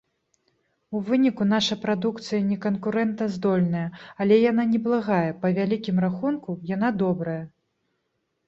У выніку наша прадукцыя не канкурэнтаздольная, але яна неблагая, па вялікім рахунку, яна добрая!